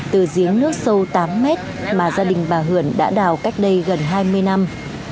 từ giếng nước sâu tám mét mà gia đình bà hưởng đã đào cách đây gần hai mươi năm